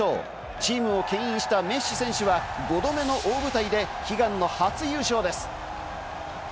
チームをけん引したメッシ選手は、５度目の大舞台で悲願の初優勝です。